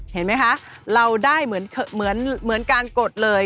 เห็นไหมคะเราได้เหมือนการกดเลย